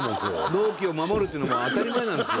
納期を守るっていうのはもう当たり前なんですよ。